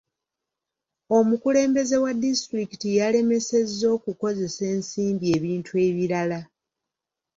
Omukulembeze wa disitulikiti yalemesezza okukozesa ensimbi ebintu ebirala.